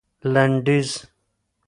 لنډيز